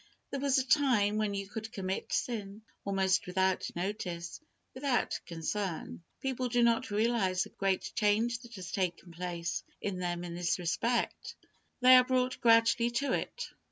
There was a time when you could commit sin, almost without notice, without concern. People do not realize the great change that has taken place in them in this respect. They are brought gradually to it.